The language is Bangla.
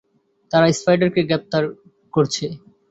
তারা স্পাইডারকে গ্রেফতার করছে।